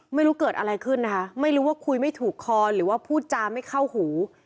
ไม่รู้เกิดอะไรขึ้นนะคะไม่รู้ว่าคุยไม่ถูกคอหรือว่าพูดจาไม่เข้าหู